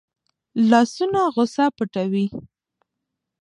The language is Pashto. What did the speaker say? لاسونه غصه پټوي